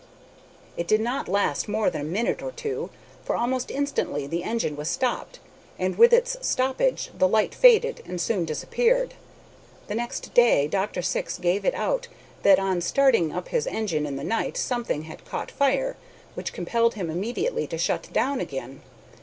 It did not last more than a minute or two, for almost instantly the engine was stopped, and with its stoppage the light faded and soon disappeared. The next day Dr. Syx gave it out that on starting up his engine in the night something had caught fire, which compelled him immediately to shut down again.